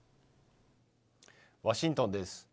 ワシントンです。